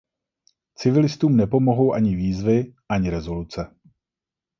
Civilistům nepomohou ani výzvy, ani rezoluce.